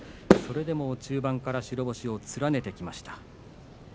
それでも中盤から白星を連ねてきました。